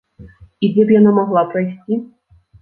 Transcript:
І дзе б яна магла прайсці?